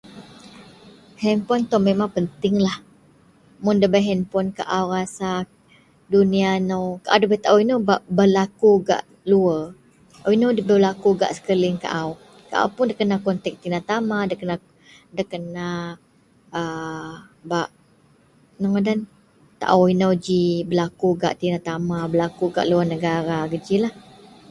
Henpon tou memang pentinglah, mun ndabei henpon kaau rasa duniya nou, kaau ndabei taou inou belaku gak luwer, inou belaku gak sekeliling kaau. Kaau puun nda kena kontek tina tama nda kena aaa bak inou ngadan taou inou ji belaku gak tina tama, belaku gak luwer negara, gejilah